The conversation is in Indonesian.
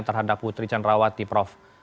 terhadap putri canrawati prof